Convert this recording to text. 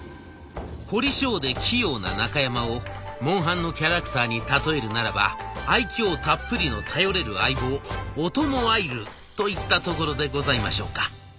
凝り性で器用な中山を「モンハン」のキャラクターに例えるならば愛きょうたっぷりの頼れる相棒オトモアイルーといったところでございましょうか。